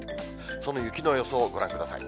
その雪の予想、ご覧ください。